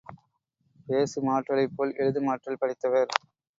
பேசும் ஆற்றலைப் போல் எழுதும் ஆற்றல் படைத்தவர்.